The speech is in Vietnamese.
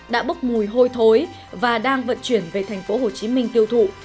đã bốc mùi hôi thối và đang vận chuyển về thành phố hồ chí minh tiêu thụ